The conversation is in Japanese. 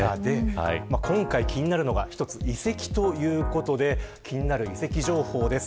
今回気になるのが一つ、移籍ということで気になる移籍情報です。